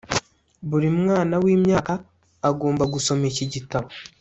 Buri mwana wimyaka agomba gusoma iki gitabo